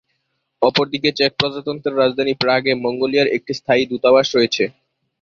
অপরদিকে চেক প্রজাতন্ত্রের রাজধানী প্রাগ এ মঙ্গোলিয়ার একটি স্থায়ী দূতাবাস রয়েছে।